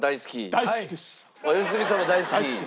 良純さんも大好き。